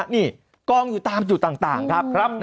นี่กองอยู่ตามจุดต่างครับ